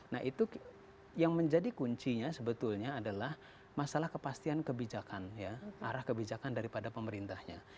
nah itu yang menjadi kuncinya sebetulnya adalah masalah kepastian kebijakan ya arah kebijakan daripada pemerintahnya